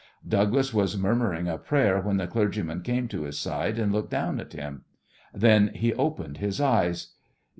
Douglas was murmuring a prayer when the clergyman came to his side and looked down at him. Then he opened his eyes.